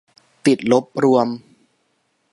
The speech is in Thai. ติดลบรวม